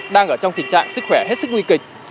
đang ở trong tình trạng sức khỏe hết sức nguy kịch